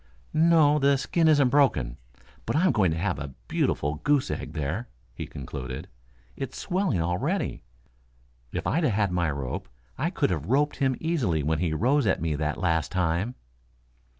"No; the skin isn't broken, but I'm going to have a beautiful goose egg there," he concluded. "It's swelling already. If I'd had my rope I could have roped him easily when he rose at me that last time."